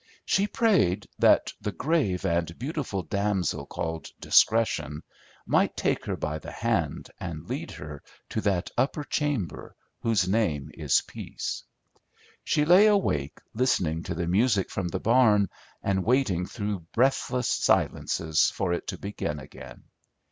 She prayed that the "grave and beautiful damsel called Discretion" might take her by the hand and lead her to that "upper chamber, whose name is Peace." She lay awake listening to the music from the barn, and waiting through breathless silences for it to begin again.